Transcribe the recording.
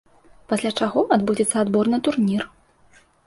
Пасля чаго адбудзецца адбор на турнір.